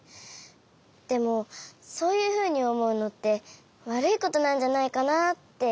でもそういうふうにおもうのってわるいことなんじゃないかなってかんじちゃって。